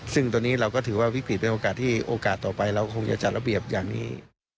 ซึ่งตัวนี้เราก็ถือว่าวิกฤตเป็นโอกาสที่โอกาสต่อไปเราคงจะจัดระเบียบอย่างนี้